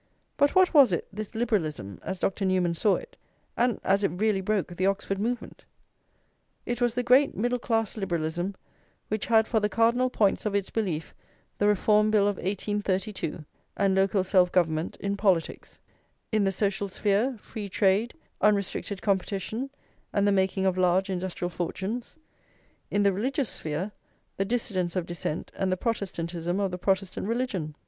+ But what was it, this liberalism, as Dr. Newman saw it, and as it really broke the Oxford movement? It was the great middle class liberalism, which had for the cardinal points of its belief the Reform Bill of 1832, and local self government, in politics; in the social sphere, free trade, unrestricted competition, and the making of large industrial fortunes; in the religious sphere, the Dissidence of Dissent and the Protestantism of the Protestant religion.